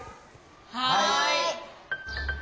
はい！